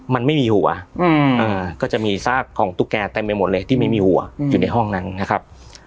มันไม่มีหัวก็จะมีซากของตุ๊กแกเต็มไปหมดเลยที่ไม่มีหัวอยู่ในห้องนั้นนะครับ